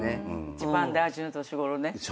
一番大事な年ごろね。